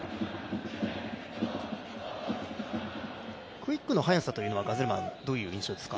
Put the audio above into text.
クイックの速さというのはガゼルマン、どうですか？